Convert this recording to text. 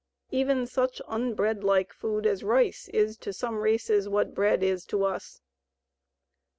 Even such unbreadlike food as rice is to some races what bread is to us.